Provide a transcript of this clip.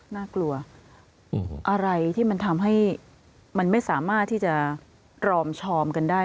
น่ากลัวอะไรที่มันทำให้มันไม่สามารถที่จะรอมชอมกันได้